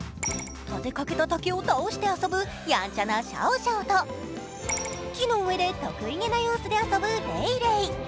立てかけた竹を倒して遊ぶやんちゃなシャオシャオと木の上で得意げな様子で遊ぶレイレイ。